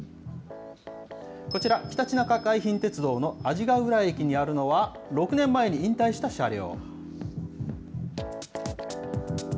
こちら、ひたちなか海浜鉄道の阿字ヶ浦駅にあるのは、６年前に引退した車両。